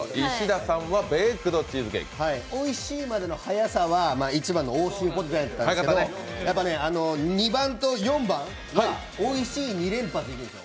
おいしいまでの速さは１番の奥州ポテトだったんですけど、やっぱね、２番と４番はおいしい２連発なんですよ。